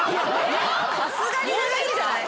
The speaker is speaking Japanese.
さすがに長いんじゃない？